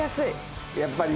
やっぱり？